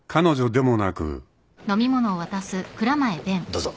どうぞ。